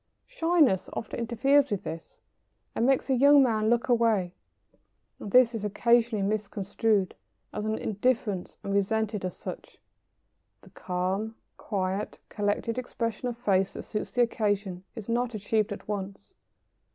] Shyness often interferes with this and makes a young man look away, and this is occasionally misconstrued as indifference and resented as such. The calm, quiet, collected expression of face that suits the occasion is not achieved at once.